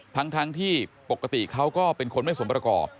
ทั้งที่ปกติเขาก็เป็นคนไม่สมประกอบ